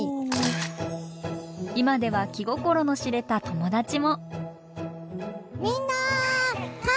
今では気心の知れた友達も。